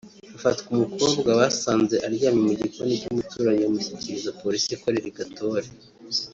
hafatwa umukobwa basanze aryamye mu gikoni cy’umuturanyi bamushyikiriza Police ikorera i Gatore